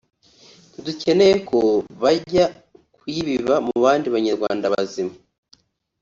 ntidukeneye ko bajya ku yibiba mu bandi Banyarwanda bazima